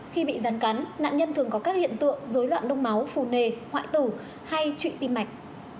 khi bị rắn cắn nạn nhân thường có các hiện tượng dối loạn đông máu phù nề hoại tử hay trụy tim mạch